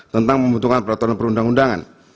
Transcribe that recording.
tentang membutuhkan peraturan perundang undangan